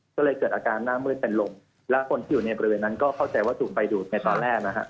ก็เลยเกิดอาการหน้ามืดเป็นลมแล้วคนที่อยู่ในบริเวณนั้นก็เข้าใจว่าถูกไฟดูดในตอนแรกนะฮะ